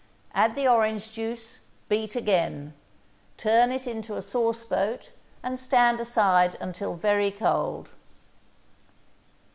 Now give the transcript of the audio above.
Add the orange juice, beat again. Turn it into a sauceboat and stand aside until very cold.